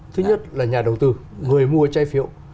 thứ nhất là nhà đầu tư người mua trái phiếu